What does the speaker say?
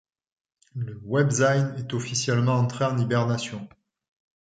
Le webzine est officiellement entré en hibernation.